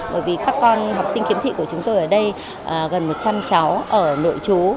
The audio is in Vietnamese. bởi vì các con học sinh khiếm thị của chúng tôi ở đây gần một trăm linh cháu ở nội chú